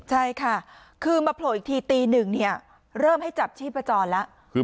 ใช่ค่ะคือมาโผล่อีกทีตีหนึ่งเนี่ยเริ่มให้จับชีพจรแล้ว